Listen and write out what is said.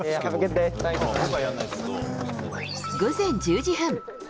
午前１０時半。